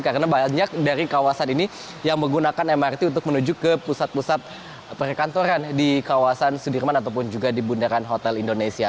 karena banyak dari kawasan ini yang menggunakan mrt untuk menuju ke pusat pusat perkantoran di kawasan sudirman ataupun juga di bundaran hotel indonesia